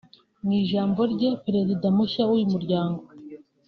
Mu ijambo rye Perezida mushya w’uyu muryango